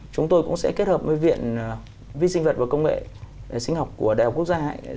chúng tôi cũng sẽ kết hợp với viện vi sinh vật và công nghệ sinh học của đại học quốc gia